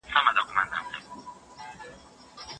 دا نن لا جهاني یې په نغمه کي شرنګېدلی